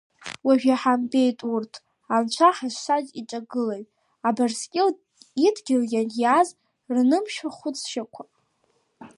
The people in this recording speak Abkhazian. Уажә иҳамбеит, урҭ, анцәа ҳазшаз иҿагылаҩ Абрыскьыл идгьыл ианиааз рнымшәа хәыцшьақәа!